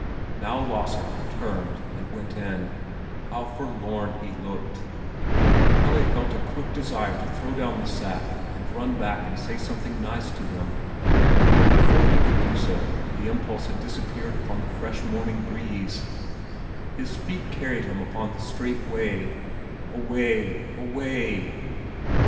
Now Lasse turned and went in. How forlorn he looked! Pelle felt a quick desire to throw down the sack and run back and say something nice to him; but before he could do so the impulse had disappeared upon the fresh morning breeze. His feet carried him on upon the straight way, away, away!